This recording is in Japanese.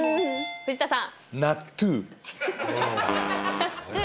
藤田さん。